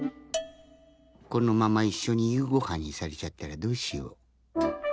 このままいっしょにゆうごはんにされちゃったらどうしよう。